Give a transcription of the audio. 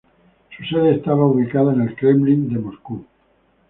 Su sede estaba ubicada en el Kremlin de Moscú.